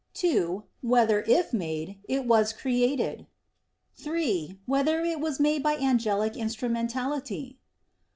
(2) Whether, if made, it was created? (3) Whether it was made by angelic instrumentality?